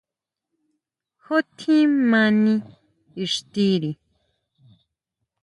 ¿Ju tjín mani ixtiri?